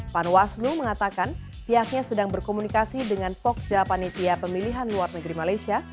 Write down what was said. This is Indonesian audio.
pan waslu mengatakan pihaknya sedang berkomunikasi dengan pok jalapanitia pemilihan luar negeri malaysia